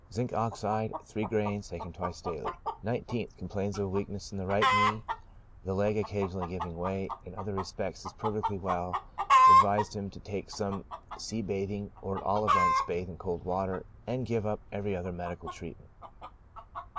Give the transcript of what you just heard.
Zinc. Ox., gr.iij, bis die. 19th. — Complains of a weakness in the right knee, the leg occasionally giving way. In other respects is perfectly well. Advised him to take some sea bathing, or at all events bathe in cold water, and give up every other medical treatment.